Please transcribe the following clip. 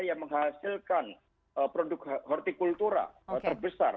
yang menghasilkan produk hortikultura terbesar